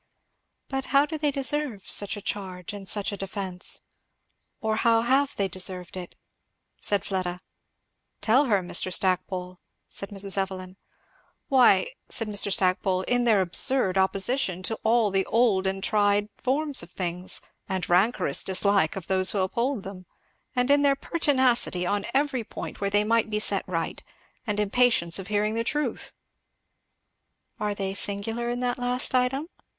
"But how do they deserve such a charge and such a defence? or how have they deserved it?" said Fleda. "Tell her, Mr. Stackpole," said Mrs. Evelyn. "Why," said Mr. Stackpole, "in their absurd opposition to all the old and tried forms of things, and rancorous dislike of those who uphold them; and in their pertinacity on every point where they might be set right, and impatience of hearing the truth." "Are they singular in that last item?"